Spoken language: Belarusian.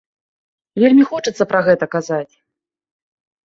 Вельмі хочацца пра гэта казаць.